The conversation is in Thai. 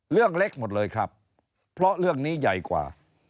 เรื่องเล็กหมดเลยครับเพราะเรื่องนี้ใหญ่กว่า